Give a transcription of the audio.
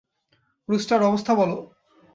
Rooster, অবস্থা বলো?